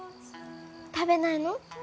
食べないの？